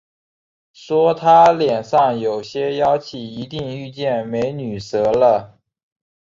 说他脸上有些妖气，一定遇见“美女蛇”了